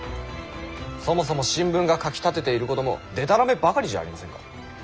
そもそも新聞が書きたてていることもでたらめばかりじゃありませんか。